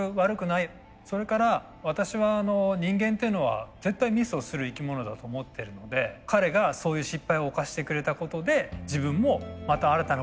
それから私は人間っていうのは絶対ミスをする生き物だと思ってるので彼がそういう失敗を犯してくれたことで自分もまた新たなことを勉強できる。